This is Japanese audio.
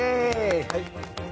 はい。